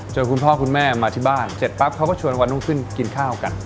คุณพ่อคุณแม่มาที่บ้านเสร็จปั๊บเขาก็ชวนวันรุ่งขึ้นกินข้าวกัน